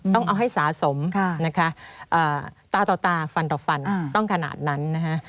ต้องเอาให้สาสมตาต่อตาฟันต่อฟันต้องขนาดนั้น